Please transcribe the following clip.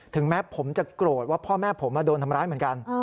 แม้ผมจะโกรธว่าพ่อแม่ผมโดนทำร้ายเหมือนกัน